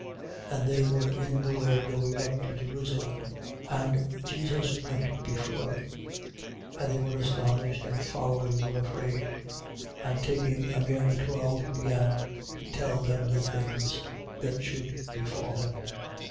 10:32. And they were in the way going up to Jerusalem: and Jesus went before them. And they were astonished and following were afraid. And taking again the twelve, he began to tell them the things that should befall him.